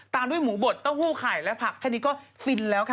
ด้วยหมูบดเต้าหู้ไข่และผักแค่นี้ก็ฟินแล้วค่ะ